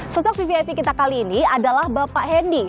sosok vvip kita kali ini adalah bapak hendy